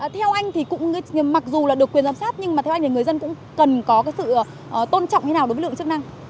theo anh thì mặc dù được quyền giám sát nhưng mà theo anh thì người dân cũng cần có sự tôn trọng hay nào đối với lực lượng chức năng